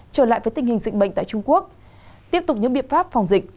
trở lại với tình hình dịch bệnh tại trung quốc tiếp tục những biện pháp phòng dịch